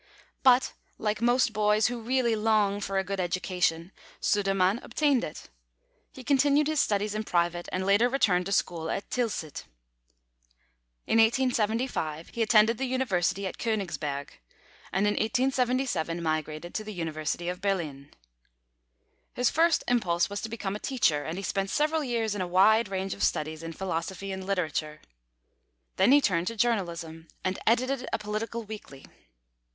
But, like most boys who really long for a good education, Sudermann obtained it; he continued his studies in private, and later returned to school at Tilsit. In 1875 he attended the University at Königsberg, and in 1877 migrated to the University of Berlin. His first impulse was to become a teacher, and he spent several years in a wide range of studies in philosophy and literature. Then he turned to journalism, and edited a political weekly.